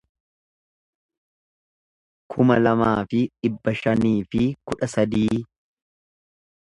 kuma lamaa fi dhibba shanii fi kudha sadii